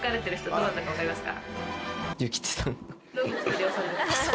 どなたか分かりますか？